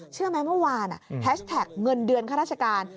เชื่อไหมเมื่อวานแฮชแท็กเงินเดือนข้าราชการ